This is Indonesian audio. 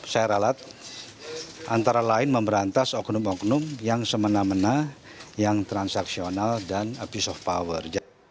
saya ralat antara lain memberantas oknum oknum yang semena mena yang transaksional dan abuse of power